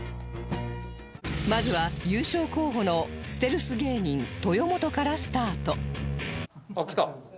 まずは優勝候補のステルス芸人豊本からスタート来た。